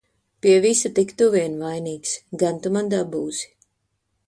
Pie visa tik tu vien vainīgs! Gan tu man dabūsi!